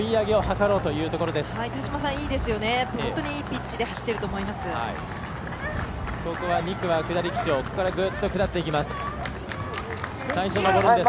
本当にいいピッチで走っていると思います。